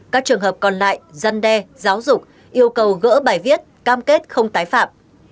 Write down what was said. các trường hợp còn lại dân đe giáo dục yêu cầu gỡ bài viết cam kết không tái phạm